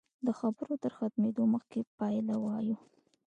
د خبرو تر ختمېدو مخکې پایله وایو.